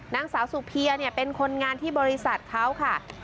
นางสาวสุเพียเป็นคนงานที่บริษัทเขาค่ะ